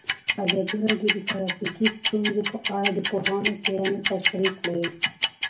ازادي راډیو د ټرافیکي ستونزې په اړه د پوهانو څېړنې تشریح کړې.